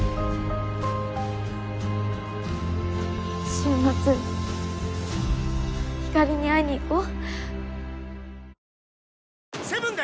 週末ひかりに会いに行こう。